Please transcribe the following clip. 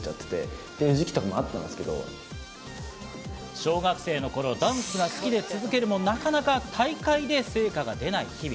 小学生の頃、ダンスが好きで続けるもなかなか大会で成果が出ない日々。